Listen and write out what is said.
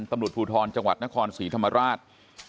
ตำรวจภูทรจังหวัดนครศรีธรรมราช